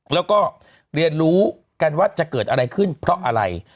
แล้วก็เรียนรู้กันว่าจะเกิดอะไรขึ้นเพราะอะไร